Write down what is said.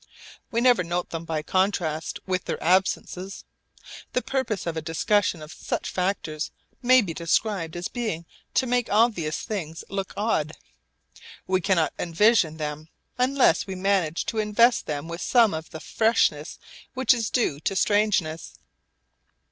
We never note them by contrast with their absences. The purpose of a discussion of such factors may be described as being to make obvious things look odd. We cannot envisage them unless we manage to invest them with some of the freshness which is due to strangeness.